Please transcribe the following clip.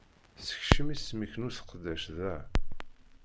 Sekcem isem-ik n useqdac da.